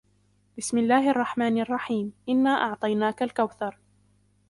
بسم الله الرحمن الرحيم إنا أعطيناك الكوثر